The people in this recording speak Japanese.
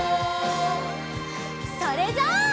それじゃあ。